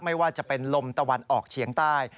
ไม่ว่าจะเป็นลมตะวันออกเฉียงใต้